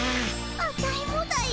アタイもだよ。